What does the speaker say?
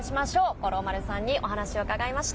五郎丸さんにお話を伺いました。